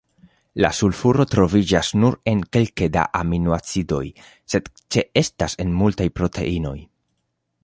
La sulfuro troviĝas nur en kelke da aminoacidoj, sed ĉeestas en multaj proteinoj.